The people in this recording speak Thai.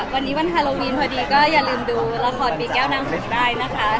วันนี้วันฮาโลวีนพอดีก็อย่าลืมดูละครปีแก้วนางสูงได้นะคะ